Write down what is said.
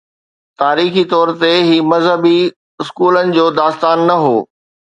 تاريخي طور تي، هي مذهبي اسڪولن جو داستان نه هو.